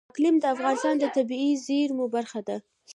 اقلیم د افغانستان د طبیعي زیرمو برخه ده.